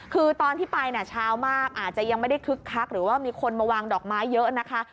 คือตอนที่ไปเช้ามากอาจจะยังไม่ได้คึกคักหรือว่ามีคนมาวางดอกไม้เยอะนะคะ